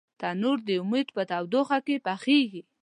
تنور د امیدو په تودوخه کې پخېږي